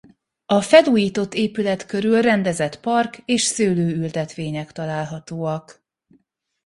A felújított épület körül rendezett park és szőlőültetvények találhatóak.